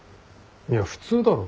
いや普通だろ。